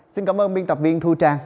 xin cảm ơn biên tập viên thu trang